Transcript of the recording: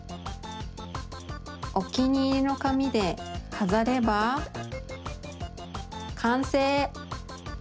おきにいりのかみでかざればかんせい！